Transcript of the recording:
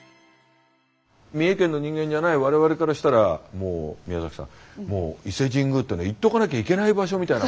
三重県の人間じゃない我々からしたら宮崎さん伊勢神宮っていうのは行っとかなきゃいけない場所みたいな。